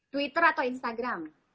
twitter atau instagram